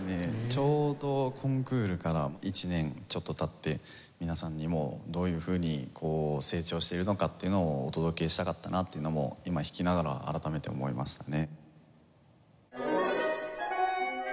ちょうどコンクールから１年ちょっと経って皆さんにもどういうふうに成長しているのかっていうのをお届けしたかったなっていうのも今弾きながら改めて思いましたね。